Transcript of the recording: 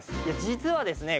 実はですね